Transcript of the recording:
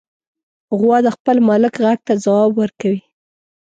غوا د خپل مالک غږ ته ځواب ورکوي.